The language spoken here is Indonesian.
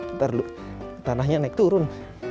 ntar tanahnya naik turun